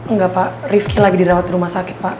nggak pak rifqi lagi dirawat di rumah sakit pak